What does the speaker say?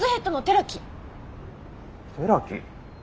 寺木？